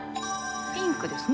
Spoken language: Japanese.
ピンクですね。